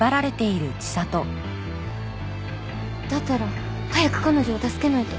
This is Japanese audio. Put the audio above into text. だったら早く彼女を助けないと。